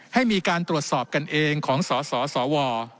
ให้มีการตรวจสอบกันเองของสสสว